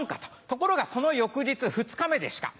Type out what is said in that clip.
ところがその翌日２日目でした。